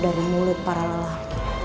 dari mulut para lelaki